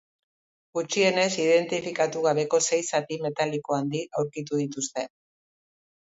Gutxienez identifikatu gabeko sei zati metaliko handi aurkitu dituzte.